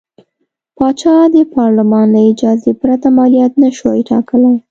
پاچا د پارلمان له اجازې پرته مالیات نه شوای ټاکلی.